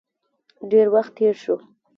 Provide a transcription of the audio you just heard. ډیر وخت تیر شو.